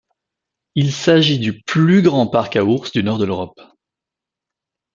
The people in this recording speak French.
Il s'agit du plus grand parc à ours du Nord de l'Europe.